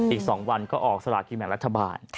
อีกสองวันก็ออกสละที่แหม่งรัฐบาล